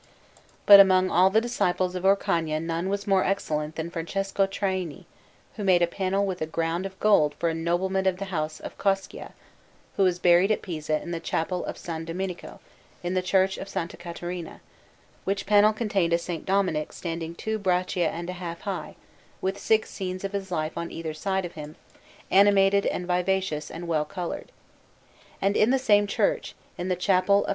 But among all the disciples of Orcagna none was more excellent than Francesco Traini, who made a panel with a ground of gold for a nobleman of the house of Coscia, who is buried at Pisa in the Chapel of S. Domenico, in the Church of S. Caterina; which panel contained a S. Dominic standing two braccia and a half high, with six scenes of his life on either side of him, animated and vivacious and well coloured. And in the same church, in the Chapel of S.